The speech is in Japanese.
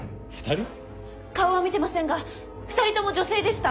顔は見てませんが２人とも女性でした。